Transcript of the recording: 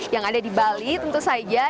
yang ada di bali tentu saja